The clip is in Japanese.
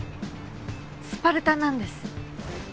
スパルタなんです。